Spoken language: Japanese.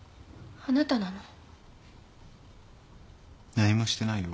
何もしてないよ